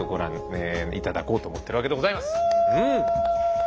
うん。